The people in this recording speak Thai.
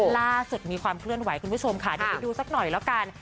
ล่าสุดมีความเคลื่อนไหวคุณผู้ชมค่ะเดี๋ยวไปดูสักหน่อยแล้วกัน